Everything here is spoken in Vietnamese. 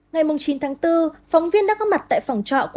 ngày chín tháng bốn phóng viên đã có mặt tại phòng trọ của